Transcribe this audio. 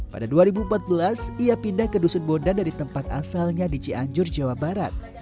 pada dua ribu empat belas ia pindah ke dusun bondan dari tempat asalnya di cianjur jawa barat